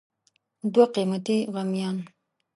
دوه قیمتي غمیان